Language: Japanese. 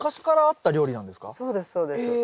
そうですそうです。え！